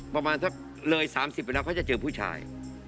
ประมาณถ้าเลย๓๐ไปแล้วเขาจะเจอผู้ชาย